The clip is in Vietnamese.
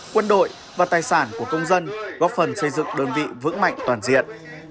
quân đội và tài sản của công dân góp phần xây dựng đơn vị vững mạnh toàn diện